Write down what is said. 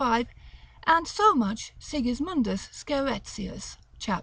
5; and so much Sigismundus Scheretzius, cap.